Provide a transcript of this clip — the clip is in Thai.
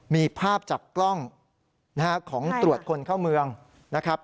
มีภาพจากกล้องของตรวจคนเข้าเมืองนะครับ